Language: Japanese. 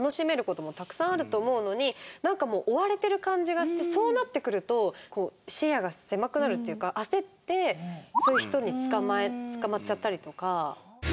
なんか追われてる感じがしてそうなってくると視野が狭くなるっていうか焦ってそういう人に捕まっちゃったりとか。